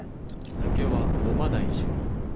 酒は飲まない主義。